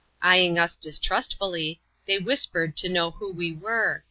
Eying us distrustfully, they whispered to know who we were.